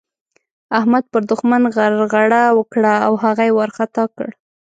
احمد پر دوښمن غرغړه وکړه او هغه يې وارخطا کړ.